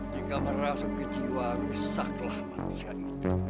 jika merasuk kejiwa rusaklah manusia itu